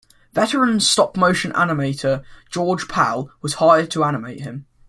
Veteran stop-motion animator George Pal was hired to animate him.